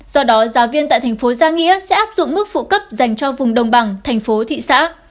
do đó giáo viên tại thành phố gia nghĩa sẽ áp dụng mức phụ cấp dành cho vùng đồng bằng thành phố thị xã